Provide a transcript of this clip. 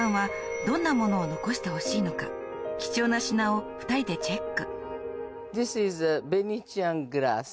では貴重な品を２人でチェック